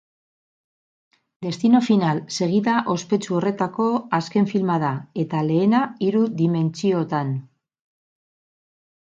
Destino final segida ospetsu horretako azken filma da eta lehena hiru dimentsiotan.